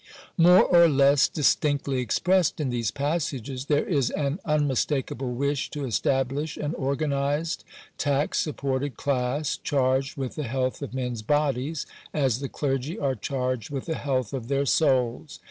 More or less distinctly expressed in these passages there is an unmistakable wish to establish an organized, tax supported class, charged with the health of mens bodies, as the clergy are charged with the health of their souls.